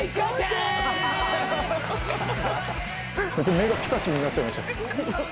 目がピカチュウになっちゃいました。